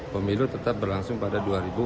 pemilu tetap berlangsung pada dua ribu dua puluh empat